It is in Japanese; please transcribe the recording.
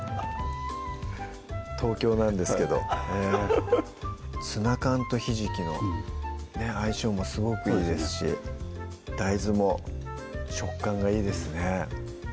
東京なんですけどフフッツナ缶とひじきの相性もすごくいいですし大豆も食感がいいですね